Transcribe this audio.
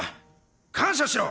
感謝しろ！